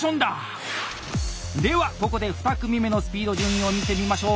ではここで２組目のスピード順位を見てみましょう。